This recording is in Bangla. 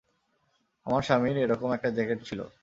আমার স্বামীর এরকম একটা জ্যাকেট ছিল।